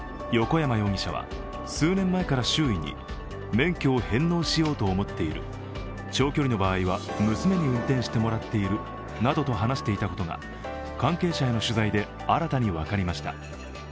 免許を返納しようと思っている、長距離の場合は娘に運転してもらっているなどと話していたことが関係者への取材で新たに分かりました。